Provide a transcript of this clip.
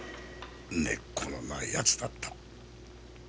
根っこのない奴だった。